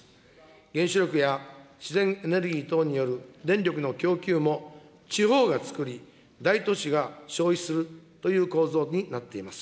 原子力や自然エネルギー等による電力の供給も、地方がつくり、大都市が消費するという構造になっています。